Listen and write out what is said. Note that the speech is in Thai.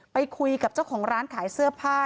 ไปคุยกับเจ้าของร้านขายเสื้อผ้า